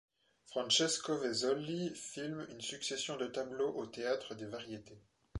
Francesco Vezzoli filme une succession de tableaux au Théâtre des Variétés.